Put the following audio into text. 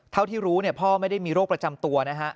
เท่าที่รู้พ่อไม่ได้มีโรคประจำตัวนะฮะ